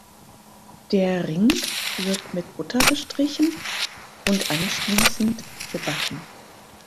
Der Ring wird mit Butter bestrichen und anschließend gebacken.